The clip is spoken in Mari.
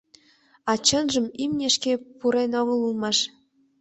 А чынжым, имне шке пурен огыл улмаш.